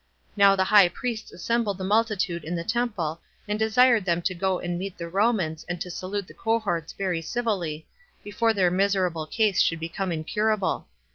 Now the high priests assembled the multitude in the temple, and desired them to go and meet the Romans, and to salute the cohorts very civilly, before their miserable case should become incurable.